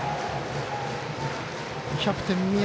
キャプテン、宮。